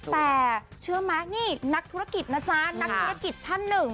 แต่เชื่อไหมนี่นักธุรกิจนะจ๊ะนักธุรกิจท่านหนึ่ง